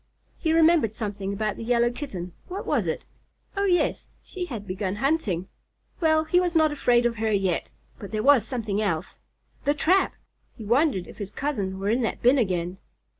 He remembered something about the Yellow Kitten. What was it? Oh yes, she had begun hunting. Well, he was not afraid of her yet. But there was something else the trap! He wondered if his cousin were in that bin again.